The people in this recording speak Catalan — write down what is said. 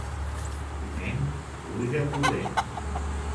Ponent, pluja corrent.